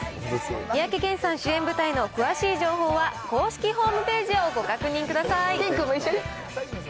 三宅健さん主演舞台の詳しい情報は公式ホームページをご確認ください。